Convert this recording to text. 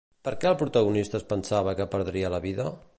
Per què el protagonista es pensava que perdria la vida?